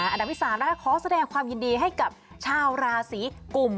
อันดับที่๓นะคะขอแสดงความยินดีให้กับชาวราศีกลุ่ม